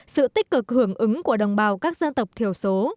sự tích cực hưởng ứng của đồng bào các dân tộc thiểu số